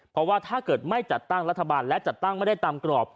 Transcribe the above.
เพราะว่าถ้าเกิดไม่จัดตั้งรัฐบาลและจัดตั้งไม่ได้ตามกรอบ